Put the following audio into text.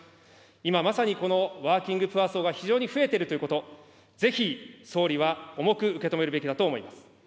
今まさにこのワーキングプア層が非常に増えているということ、ぜひ総理は重く受け止めるべきだと思います。